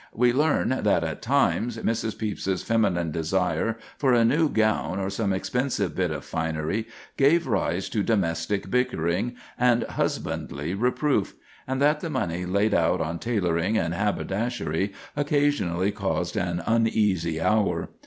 We learn that at times Mrs. Pepys's feminine desire for a new gown or some expensive bit of finery gave rise to domestic bickering and husbandly reproof, and that the money laid out on tailoring and haberdashery occasionally caused an uneasy hour.